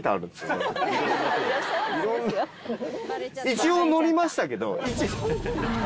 一応ノりましたけど。